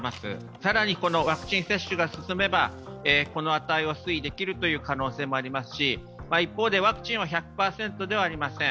更にワクチン接種が進めばこの値を推移できる可能性もありますし一方で、ワクチンは１００％ではありません。